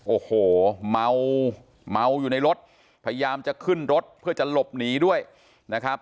โอ้โหเมาเมาอยู่ในรถพยายามจะขึ้นรถเพื่อจะหลบหนีด้วยนะครับ